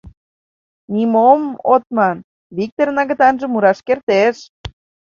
— Нимом от ман, Виктырын агытанже мураш кертеш.